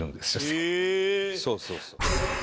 「そうそうそう」